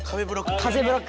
風ブロック。